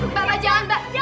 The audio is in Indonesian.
mbak mbak jangan mbak